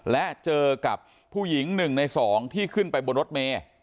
และเจอกับผู้หญิงหนึ่งในสองที่ขึ้นไปบนรถเมส